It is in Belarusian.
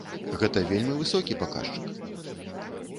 Гэта вельмі высокі паказчык!